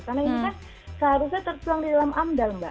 karena ini kan seharusnya tertuang di dalam andal mbak